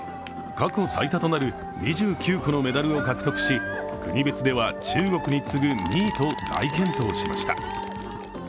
過去最多となる２９個のメダルを獲得し国別では中国に次ぐ２位と大健闘しました。